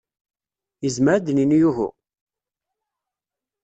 Yezmer ad d-nini uhu?